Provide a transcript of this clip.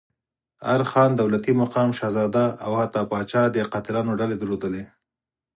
هر خان، دولتي مقام، شهزاده او حتی پاچا د قاتلانو ډلې درلودلې.